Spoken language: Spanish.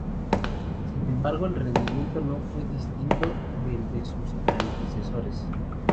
Sin embargo, el rendimiento no fue distinto del de sus antecesores.